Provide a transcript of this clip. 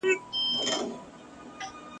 له یوه لاسه تر بل پوري رسیږي !.